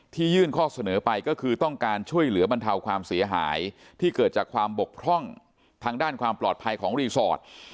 ยื่นข้อเสนอไปก็คือต้องการช่วยเหลือบรรเทาความเสียหายที่เกิดจากความบกพร่องทางด้านความปลอดภัยของรีสอร์ท